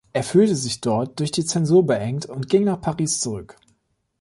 Er fühlte sich dort durch die Zensur beengt und ging nach Paris zurück.